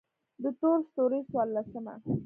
د تور ستوري څوارلسمه: